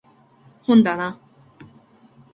本だな